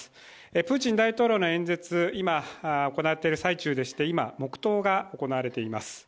プーチン大統領の演説、今行われている最中でして、今、黙とうが行われています。